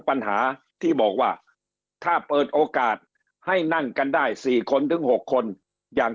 ปัญหาที่บอกว่าถ้าเปิดโอกาสให้นั่งกันได้๔คนถึง๖คนอย่าง